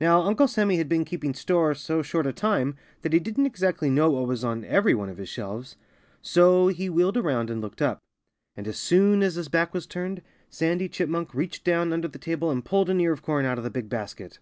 Now, Uncle Sammy had been keeping store so short a time that he didn't exactly know what was on every one of his shelves. So he wheeled around and looked up. And as soon as his back was turned, Sandy Chipmunk reached down under the table and pulled an ear of corn out of the big basket.